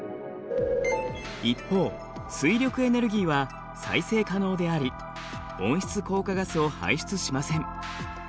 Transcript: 一方水力エネルギーは再生可能であり温室効果ガスを排出しません。